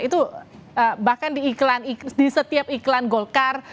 itu bahkan di setiap iklan golkar